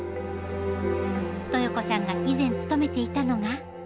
豊子さんが以前勤めていたのが。